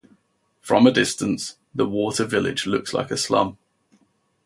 From a distance the water village looks like a slum.